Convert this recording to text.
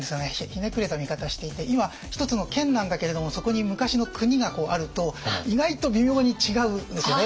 ひねくれた見方していて今一つの県なんだけれどもそこに昔の国があると意外と微妙に違うんですよね。